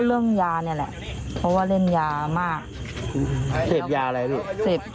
ก็เรื่องยานี่แหละเพราะพ่อเล่นยามากเสพอย่าอะไรล่ะ